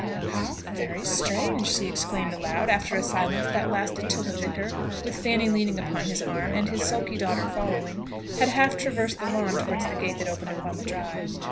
"How very strange!" she exclaimed aloud, after a silence that lasted till the vicar, with Fanny leaning on his arm, and his sulky daughter following, had half traversed the lawn towards the gate that opened upon the drive.